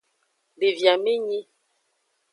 Devi amenyi.